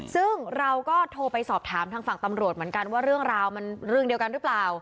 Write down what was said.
ซึ่งเราก็โทรไปสอบถามทางฝั่งตำรวจเหมือนกันว่าเรื่องราวมันเรื่องเดียวกันหรือเปล่า